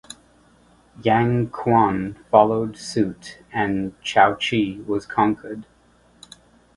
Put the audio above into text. Yang Cuan followed suit and Chouchi was conquered.